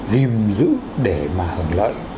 ghiềm giữ để mà hưởng lợi